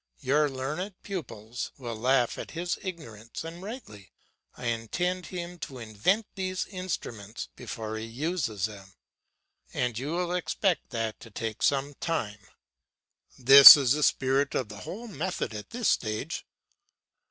Your learned pupils will laugh at his ignorance and rightly, I intend him to invent these instruments before he uses them, and you will expect that to take some time. This is the spirit of my whole method at this stage.